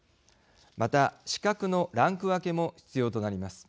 また資格のランク分けも必要となります。